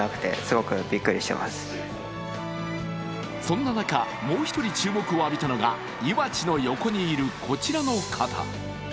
そんな中、もう一人注目を浴びたのがゆまちの横にいるこちらの方。